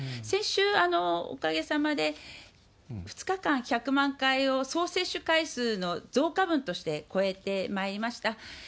先週、おかげさまで２日間１００万回を総接種回数の増加分として超えてまいりました。